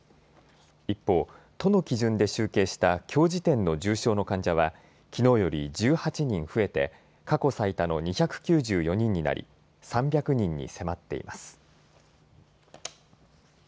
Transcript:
一方、都の基準で集計したきょう時点の重症の患者はきのうより１８人増えて過去最多の２９４人になり３００人に迫っています。